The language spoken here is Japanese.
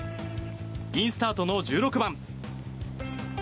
インスタートの１６番